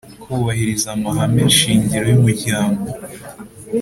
kubahiriza amahame shingiro yumuryango